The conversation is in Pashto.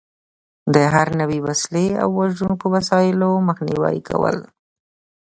د هر نوع وسلې او وژونکو وسایلو مخنیوی کول.